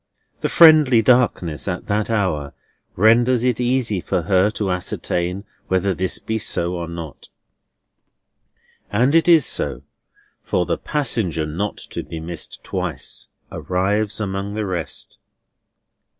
The friendly darkness, at that hour, renders it easy for her to ascertain whether this be so or not; and it is so, for the passenger not to be missed twice arrives among the rest.